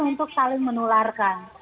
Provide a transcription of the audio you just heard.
untuk saling menularkan